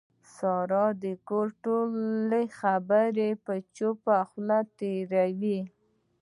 ساره د کور ټولې خبرې په چوپه خوله تېروي.